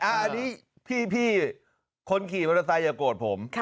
อันนี้พี่คนขี่มอเตอร์ไซค์อย่าโกรธผม